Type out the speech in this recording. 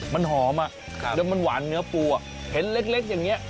มันหอมแล้วมันหวานเนื้อปูเห็นเล็กอย่างนี้